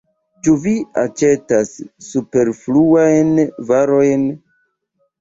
Ĉu vi aĉetas superfluajn varojn?